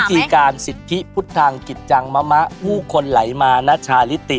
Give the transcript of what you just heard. ทีการสิทธิพุทธทางกิจจังมะมะผู้คนไหลมาณชาลิติ